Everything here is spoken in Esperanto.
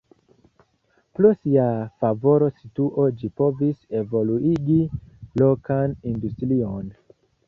Pro sia favora situo ĝi povis evoluigi lokan industrion.